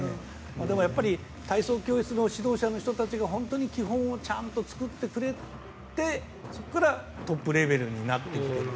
でも体操教室の指導者の人たちが本当に基本をちゃんと作ってくれてそこからトップレベルになってきている。